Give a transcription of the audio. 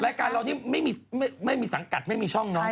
รายการเรานี่ไม่มีสังกัดไม่มีช่องเนาะ